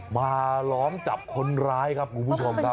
ล้อมจับคนร้ายครับคุณผู้ชมครับ